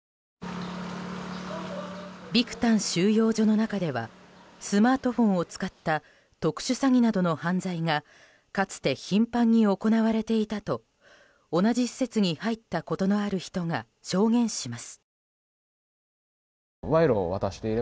ビクタン収容所の中ではスマートフォンを使った特殊詐欺などの犯罪がかつて頻繁に行われていたと同じ施設に入ったことのある人が証言します。